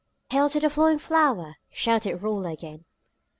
"Hail to the flowing flower!" shouted Rolla again.